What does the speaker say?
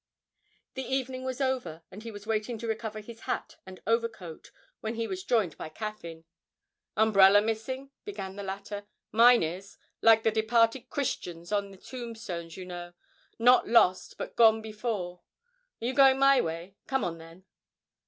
The evening was over, and he was waiting to recover his hat and overcoat when he was joined by Caffyn. 'Umbrella missing?' began the latter; 'mine is, like the departed Christians on the tombstones, you know, "not lost but gone before." Are you going my way? Come on then.'